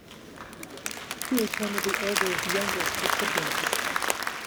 He is one of the Order's youngest recipients.